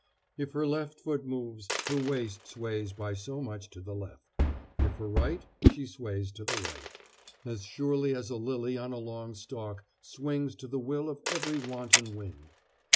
If her left foot moves, her waist sways by so much to the left; if her right, she sways to the right, as surely as a lily on a long stalk swings to the will of every wanton wind.